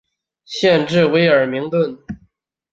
县治威尔明顿。